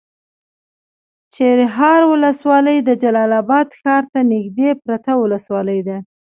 چپرهار ولسوالي د جلال اباد ښار ته نږدې پرته ولسوالي ده.